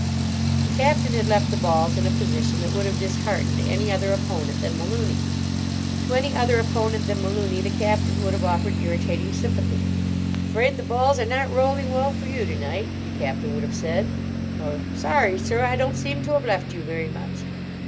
The Captain had left the balls in a position that would have disheartened any other opponent than Malooney. To any other opponent than Malooney the Captain would have offered irritating sympathy. "Afraid the balls are not rolling well for you to night," the Captain would have said; or, "Sorry, sir, I don't seem to have left you very much."